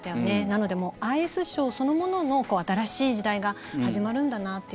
なので、アイスショーそのものの新しい時代が始まるんだなって